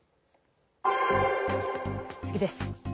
次です。